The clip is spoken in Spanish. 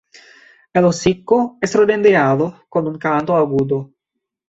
El hocico es redondeado con un canto agudo.